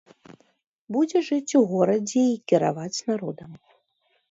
Будзе жыць у горадзе і кіраваць народам.